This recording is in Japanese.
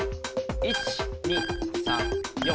１２３４。